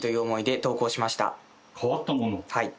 はい。